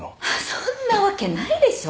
そんなわけないでしょ？